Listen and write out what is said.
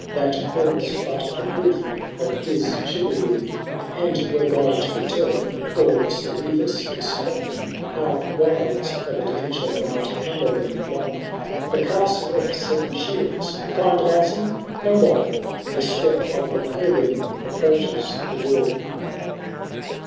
That calls but for proof of his chivalry ; And were Guy to return, or Sir fievis the Strong, Our wilds have adventure might cumber them long — The Castle of Seven Shields Kind Anselm no more ! The step of the Pagan approaches the door.